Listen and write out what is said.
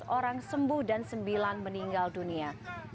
satu ratus enam belas orang sembuh dan sembilan meninggal dunia